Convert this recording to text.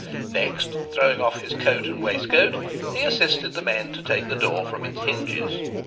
Next, throwing off his coat and waistcoat, he assisted the men to take the door from its hinges.